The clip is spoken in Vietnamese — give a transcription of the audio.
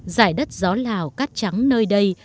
giải đất gió lào cắt trắng nơi đây